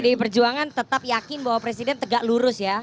jadi pdi perjuangan tetap yakin bahwa presiden tegak lurus ya